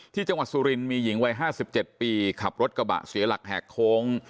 ที่จังหวัดสุรินมีหญิงวัย๕๗ปีขับรถกระบะเสียหลักแหกโค้ง